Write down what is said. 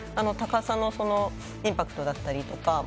高さのインパクトだったりとか。